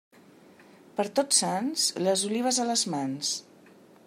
Per Tots Sants, les olives a les mans.